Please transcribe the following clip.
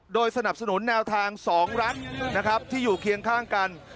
โดยสนับสนุนแนวทาง๒รัฐนะครับที่อยู่เคียงข้างกัน